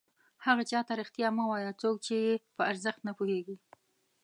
هغه چاته رښتیا مه وایه څوک چې یې په ارزښت نه پوهېږي.